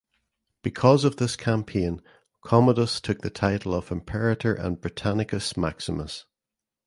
Because of this campaign Commodus took the title of Imperator and Britannicus Maximus.